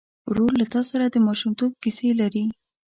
ورور له تا سره د ماشومتوب کیسې لري.